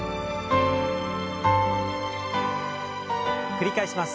繰り返します。